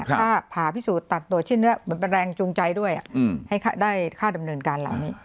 ค่าผ่าพิสูจน์ตัดตัดโดดชั่นน้ำเหมือนตะแรงจูงใจด้วยให้ได้ค่าดำเนินการเหล่านี้